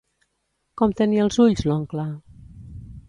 Com tenia els ulls l'oncle?